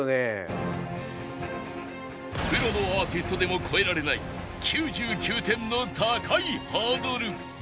プロのアーティストでも超えられない９９点の高いハードル